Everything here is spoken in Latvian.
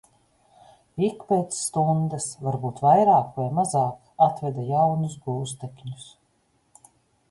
Ik pēc stundas, varbūt vairāk vai mazāk, atveda jaunus gūstekņus.